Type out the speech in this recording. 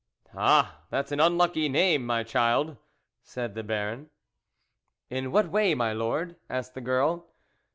" Ah, that's an unlucky name, my child," said the Baron. " In what way my Lord ?" asked the girl.